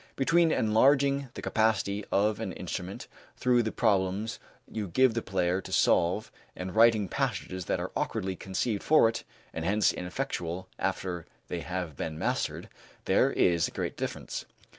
Between enlarging the capacity of an instrument through the problems you give the player to solve and writing passages that are awkwardly conceived for it, and hence ineffectual after they have been mastered, there is a great difference.